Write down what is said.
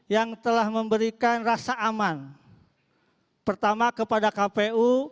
yang telah memberikan rasa aman pertama kepada kpu